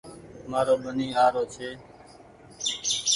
مآرو ٻني آ رو ڇي